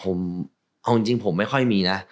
เอาจริงผมไม่ค่อยมีนะ